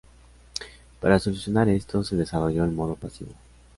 Para solucionar esto se desarrolló el modo "pasivo".